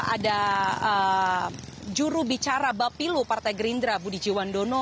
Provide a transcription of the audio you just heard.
ada juru bicara bapilu partai gerindra budi jiwandono